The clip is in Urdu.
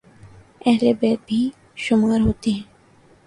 اہل بیت میں بھی شمار ہوتے ہیں